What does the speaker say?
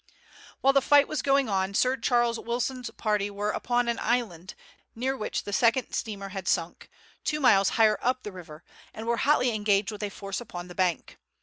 While the fight was going on Sir Charles Wilson's party were upon an island, near which the second steamer had sunk, two miles higher up the river, and were hotly engaged with a force upon the bank.